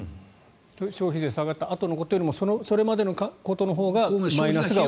消費税下がったあとのことよりもそれまでのことのほうがマイナスが大きい。